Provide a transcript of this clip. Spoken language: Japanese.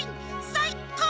さいこう！